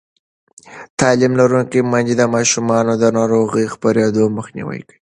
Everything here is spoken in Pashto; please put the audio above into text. تعلیم لرونکې میندې د ماشومانو د ناروغۍ خپرېدل مخنیوی کوي.